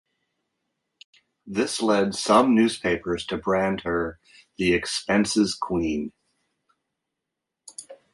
This led some newspapers to brand her "The Expenses Queen".